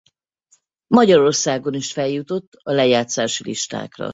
Magyarországon is feljutott a lejátszási listákra.